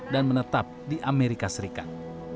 dan menetap di amerika serikat